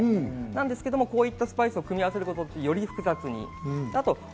なんですけど、こういったスパイスを組み合わせることにより、複雑に。